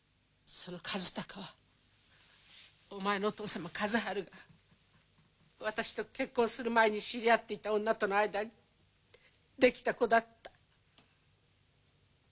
その和鷹はお前のお父様和春が私と結婚する前に知り合っていた女との間にできた子だった。